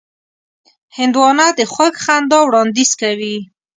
هندوانه د خوږ خندا وړاندیز کوي.